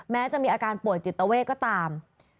แม้จะมีอาการป่วยจิตเวทก็ตาม